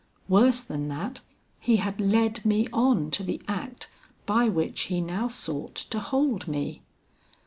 Worse than that, he had led me on to the act by which he now sought to hold me.